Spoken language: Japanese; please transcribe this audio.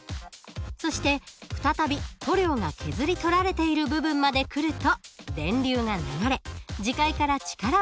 そして再び塗料が削り取られている部分まで来ると電流が流れ磁界から力を受けます。